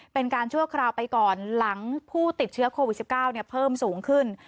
เป็นการชั่วคราวไปก่อนหลังผู้ติดเชื้อโควิดสิบเก้าเนี่ยเพิ่มสูงขึ้น